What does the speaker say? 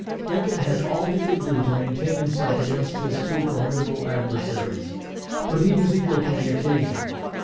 Lincoln had all he could do to maintain himself against his two formidable adversaries, but he was equal to the occasion.